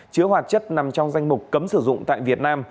chứa hoạt chất nằm trong danh mục cấm sử dụng tại việt nam